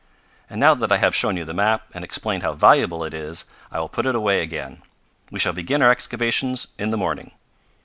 "And now that I have shown you the map, and explained how valuable it is, I will put it away again. We shall begin our excavations in the morning."